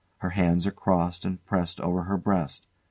Her hands are crossed and pressed over her breast.